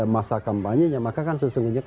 masa kampanye maka kan sesungguhnya